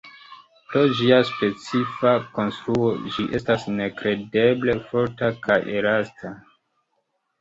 Pro ĝia specifa konstruo, ĝi estas nekredeble forta kaj elasta.